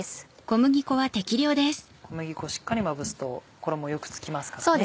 小麦粉をしっかりまぶすと衣よく付きますからね。